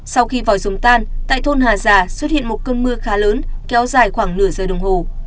sau khi vòi dùng tan tại thôn hà già xuất hiện một cơn mưa khá lớn kéo dài khoảng nửa giờ đồng hồ